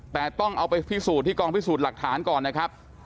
แต่ต้องเอาไปพิสูจน์ที่กองพิสูจน์หลักฐานก่อนนะครับ